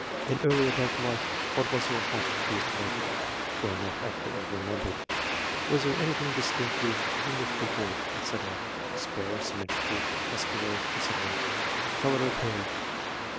In early adult life, what was your height (to be estimated, where not accurately remembered)? Was there anything dis 2G4 AVVENDIX. tinctive in the figure, &c. (spare, symmetrical, mus cular, &c.) ? Colour of hair